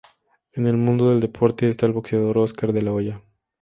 En el mundo del deporte, está el boxeador Óscar de la Hoya.